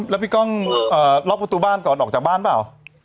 แล้วพี่ก้องล็อกประตูบ้านก่อนออกจากบ้านเปล่า